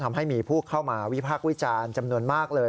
ทำให้มีผู้เข้ามาวิพากษ์วิจารณ์จำนวนมากเลย